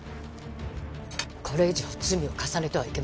これ以上罪を重ねてはいけません。